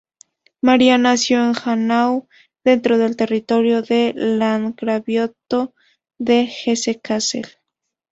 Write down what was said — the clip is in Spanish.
María nació en Hanau, dentro del territorio del landgraviato de Hesse-Kassel.